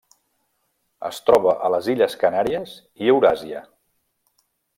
Es troba a les illes Canàries i Euràsia.